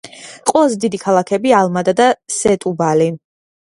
ყველაზე დიდი ქალაქები: ალმადა და სეტუბალი.